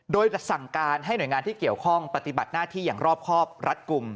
โดยจะสั่งการให้หน่วยงานที่เกี่ยวข้องปฏิบัติหน้าที่อย่างรอบครอบรัดกลุ่ม